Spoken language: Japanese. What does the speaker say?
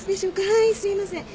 はいすいません。